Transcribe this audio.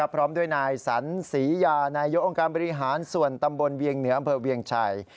พร้อมด้วยนายสันศรียานายกองค์การบริหารส่วนตำบลเวียงเหนืออำเภอเวียงชัย